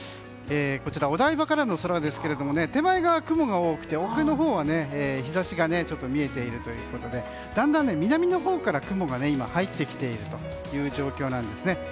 お台場からの空ですが手前が雲が多くて奥のほうは日差しが見えているということでだんだん、南のほうから雲が入ってきているという状況なんです。